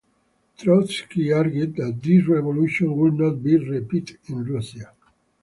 Trotsky argued that these revolutions would not be repeated in Russia.